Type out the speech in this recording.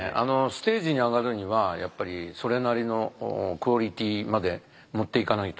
ステージに上がるにはやっぱりそれなりのクオリティーまで持っていかないと。